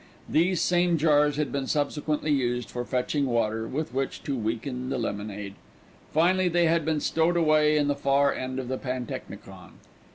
These same jars had been subsequently used for fetching water with which to weaken the lemonade. Finally they had been stowed away in the far end of the pantechnicon.